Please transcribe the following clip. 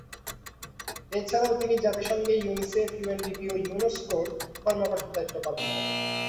এছাড়াও তিনি জাতিসংঘে ইউনিসেফ, ইউএনডিপি ও ইউনেস্কো’র কর্মকর্তার দায়িত্ব পালন করেন।